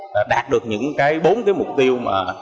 đã đạt được những bốn mục tiêu